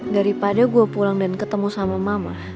daripada gue pulang dan ketemu sama mama